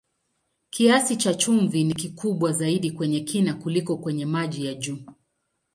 Kiasi cha chumvi ni kikubwa zaidi kwenye kina kuliko kwenye maji ya juu.